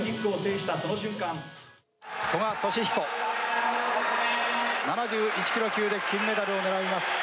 古賀稔彦、７１キロ級で金メダルをねらいます。